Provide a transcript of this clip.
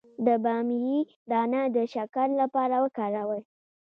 د بامیې دانه د شکر لپاره وکاروئ